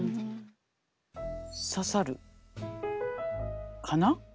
刺さるかな？